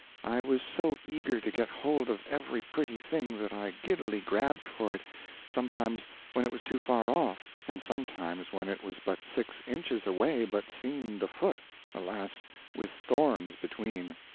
I was so eager to get hold of every pretty thing that I giddily grabbed for it, sometimes when it was too far off, and sometimes when it was but six inches away but seemed a foot alas, with thorns between!